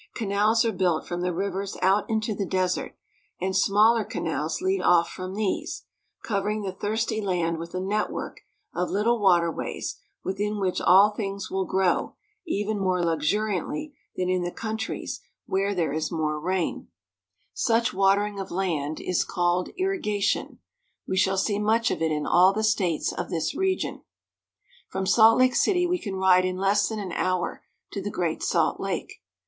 Canals are built from the rivers out into the desert, and smaller canals lead off from these, covering the thirsty land with a network of little waterways within which all things will grow even more luxuriantly than in the countries where there is GREAT SALT LAKE. 263 more rain. Such watering of land is called irrigation. We shall see much of it in all the states of this region. From Salt Lake City we can ride in less than an hour to the Great Salt Lake.